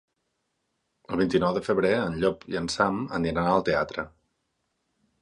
El vint-i-nou de febrer en Llop i en Sam aniran al teatre.